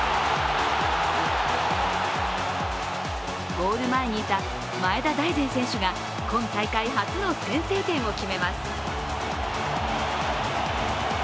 ゴール前にいた前田大然選手が今大会初の先制点を決めます。